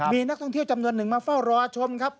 มีนักท่องเที่ยวจำนวนหนึ่งมาเฝ้ารอชมครับ